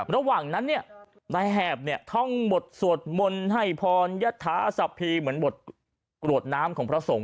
ระหว่างนั้นเนี่ยนายแหบเนี่ยท่องบทสวดมนต์ให้พรยธาสัพพีเหมือนบทกรวดน้ำของพระสงฆ